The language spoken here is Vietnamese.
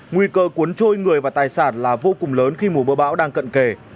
nguy cơ cuốn trôi người và tài sản là vô cùng lớn khi mùa mưa bão đang cận kề